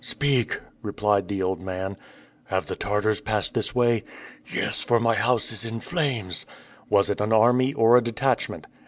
"Speak," replied the old man. "Have the Tartars passed this way?" "Yes, for my house is in flames." "Was it an army or a detachment?"